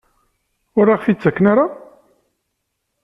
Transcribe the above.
Ur aɣ-t-id-ttaken ara?